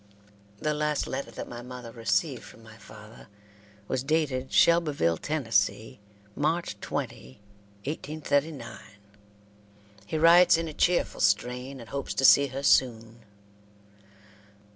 The last letter that my mother received from my father was dated Shelbyville, Tennessee, March 20, 1839. He writes in a cheerful strain, and hopes to see her soon.